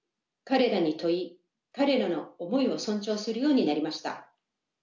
彼らに問い彼らの思いを尊重するようになりました。